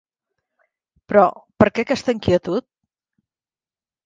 Però, per què aquesta inquietud?